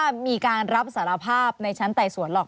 มีการรับสารภาพในชั้นไต่สวนหรอก